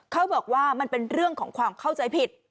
เขาบอกว่ามันเป็นเรื่องของความเข้าใจผิด